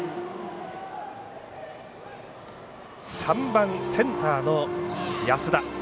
３番、センターの安田。